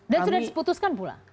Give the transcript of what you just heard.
dan sudah diputuskan pula